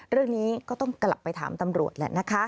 เรื่องนี้ก็ต้องกลับไปถามตำรวจแหละนะคะ